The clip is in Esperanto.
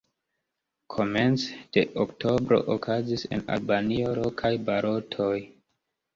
Komence de oktobro okazis en Albanio lokaj balotoj.